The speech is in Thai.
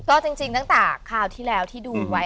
ก็จริงตั้งแต่คราวที่แล้วที่ดูไว้